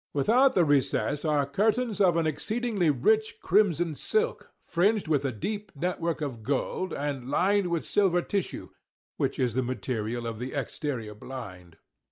Without the recess are curtains of an exceedingly rich crimson silk, fringed with a deep network of gold, and lined with silver tissue, which is the material of the exterior blind.